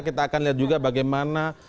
kita akan lihat juga bagaimana